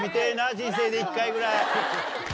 人生で１回ぐらい。